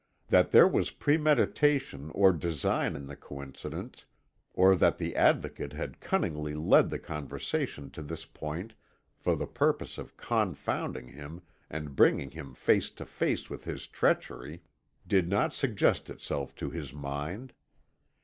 That there was premeditation or design in the coincidence, or that the Advocate had cunningly led the conversation to this point for the purpose of confounding him and bringing him face to face with his treachery, did not suggest itself to his mind.